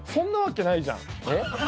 えっ？